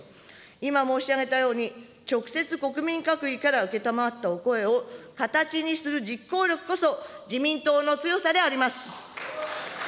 今申し上げたように、直接国民各位から承ったお声を形にする実行力こそ、自民党の強さであります。